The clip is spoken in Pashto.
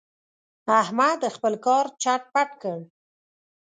احمد خپل کار چټ پټ کړ.